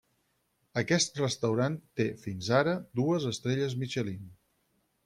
Aquest restaurant té, fins ara, dues estrelles Michelin.